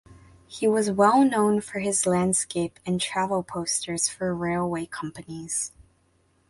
He was well known for his landscape and travel posters for railway companies.